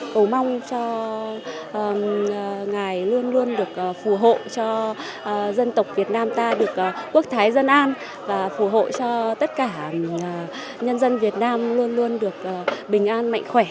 cầu mong cho ngài luôn luôn được phù hộ cho dân tộc việt nam ta được quốc thái dân an và phù hộ cho tất cả nhân dân việt nam luôn luôn được bình an mạnh khỏe